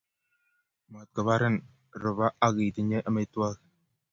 matubarin ruba ago kitinye amitwogik